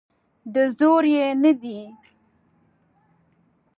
د زور یې نه دی.